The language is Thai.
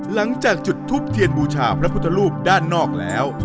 หลังจากจุดทูปเทียนบูชาพระพุทธรูปด้านนอกแล้ว